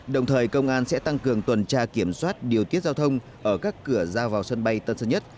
đồng thời công an sẽ tăng cường tuần tra kiểm soát điều tiết giao thông ở các cửa ra vào sân bay tân sơn nhất